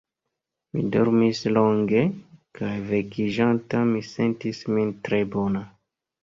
Mi dormis longe, kaj vekiĝanta mi sentis min tre bona.